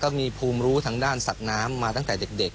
ภูมิรู้ทางด้านสัตว์น้ำมาตั้งแต่เด็ก